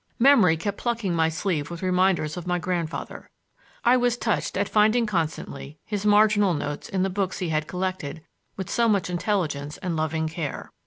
Memory kept plucking my sleeve with reminders of my grandfather. I was touched at finding constantly his marginal notes in the books he had collected with so much intelligence and loving care.